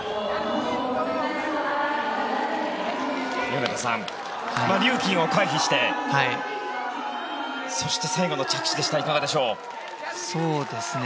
米田さん、リューキンを回避してそして最後の着地でしたいかがでしょう。